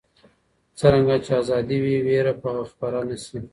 څرنګه چې ازادي وي، ویره به خپره نه شي.